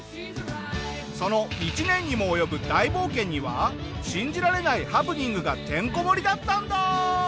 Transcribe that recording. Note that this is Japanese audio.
その１年にもおよぶ大冒険には信じられないハプニングがてんこ盛りだったんだ！